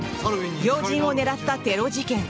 要人を狙ったテロ事件